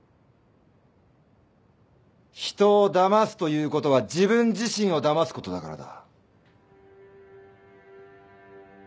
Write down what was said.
人をだますということは自分自身をだますことだからだ。